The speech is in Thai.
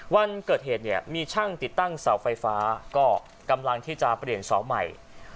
วันเกิดเหตุเนี่ยมีช่างติดตั้งเสาไฟฟ้าก็กำลังที่จะเปลี่ยนเสาใหม่